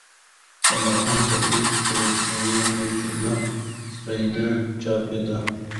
د مرحوم صدیق پسرلي مجله "سپېدې" چاپېده.